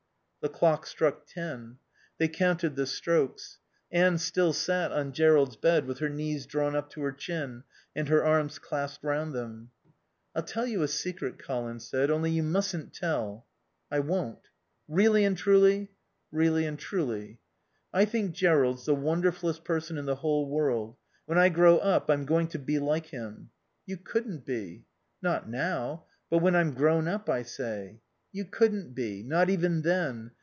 The clock struck ten. They counted the strokes. Anne still sat on Jerrold's bed with her knees drawn up to her chin and her arms clasped round them. "I'll tell you a secret," Colin said. "Only you mustn't tell." "I won't." "Really and truly?" "Really and truly." "I think Jerrold's the wonderfullest person in the whole world. When I grow up I'm going to be like him." "You couldn't be." "Not now. But when I'm grown up, I say." "You couldn't be. Not even then.